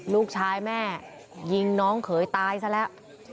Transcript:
ลูกชายแม่ยิงน้องเขยตายซะแล้ว